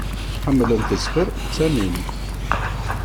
Ḥemmlen tezfer ttanin.